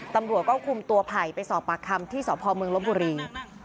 ตำรวจก็คุมตัวไผ่ไปสอบปากคำที่สพเมืองลบบุรี